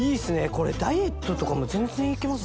これダイエットとかも全然行けます。